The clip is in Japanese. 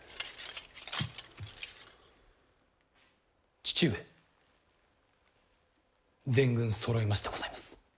父上全軍そろいましてございます。